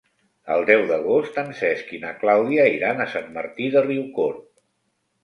El deu d'agost en Cesc i na Clàudia iran a Sant Martí de Riucorb.